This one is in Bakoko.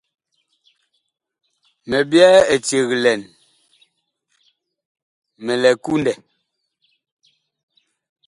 Mi byɛɛ eceg lɛn, mi lɛ kundɛ.